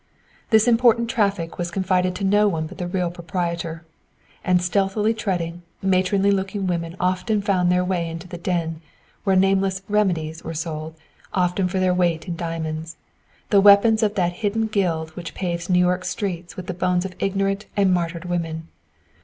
This important traffic was confided to no one but the real proprietor. And stealthily treading, matronly looking women often found their way into the den, where nameless "remedies" were sold, often for their weight in diamonds, the weapons of that hidden guild which paves New York's streets with the bones of ignorant and martyred women.